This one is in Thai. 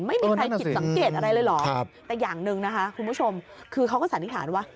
ไม่มีใครผิดสังเกตอะไรเลยเหรอแต่อย่างหนึ่งนะคะคุณผู้ชมคือเขาก็สันนิษฐานว่า